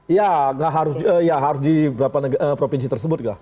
ya nggak harus di berapa provinsi tersebut nggak